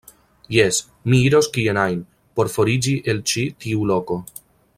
Jes, mi iros kien ajn, por foriĝi el ĉi tiu loko.